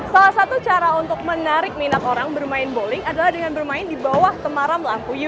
salah satu cara untuk menarik minat orang bermain bowling adalah dengan bermain di bawah temaram lampu hijau